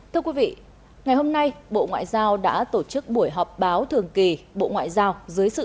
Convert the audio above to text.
thưa quý vị ngày hôm nay bộ ngoại giao đã tổ chức buổi họp báo thường kỳ bộ ngoại giao dưới sự